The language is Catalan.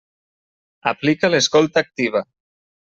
Aplica l'escolta activa.